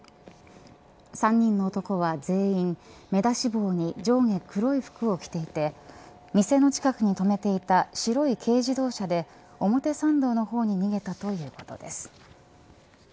３人の男は全員、目出し帽に上下黒い服を着ていて店の近くに止めていた白い軽自動車で表参道の方に逃げたということです。